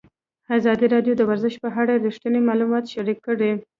ازادي راډیو د ورزش په اړه رښتیني معلومات شریک کړي.